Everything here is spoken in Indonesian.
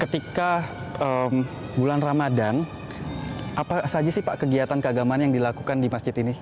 ketika bulan ramadan apa saja sih pak kegiatan keagamaan yang dilakukan di masjid ini